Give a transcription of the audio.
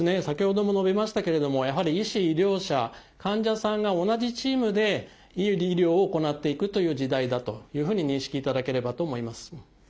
先ほども述べましたけれどもやはり医師・医療者患者さんが同じチームでいい医療を行っていくという時代だというふうに認識いただければと思います。